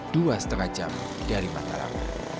dua setengah jam dari mataram